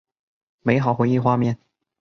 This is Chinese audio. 美好回忆画面